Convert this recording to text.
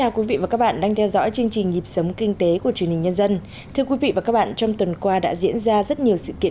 các bạn hãy đăng ký kênh để ủng hộ kênh của chúng mình nhé